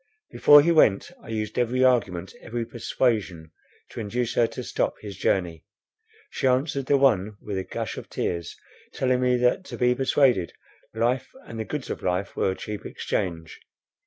Before he went I used every argument, every persuasion to induce her to stop his journey. She answered the one with a gush of tears—telling me that to be persuaded—life and the goods of life were a cheap exchange.